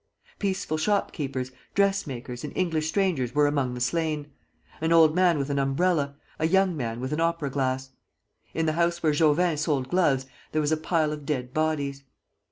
Peaceful shopkeepers, dressmakers, and English strangers were among the slain, an old man with an umbrella, a young man with an opera glass. In the house where Jouvin sold gloves there was a pile of dead bodies.